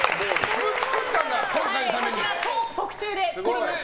特注で作りました。